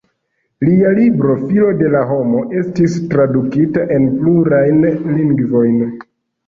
Lia libro "Filo de la homo" estis tradukita en plurajn lingvojn.